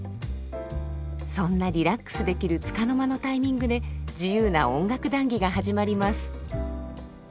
そんなリラックスできるつかの間のタイミングで自由な音楽談義が始まります。